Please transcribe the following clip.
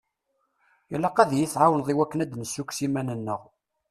Ilaq ad yi-tɛawneḍ i wakken ad d-nessukkes iman-nneɣ.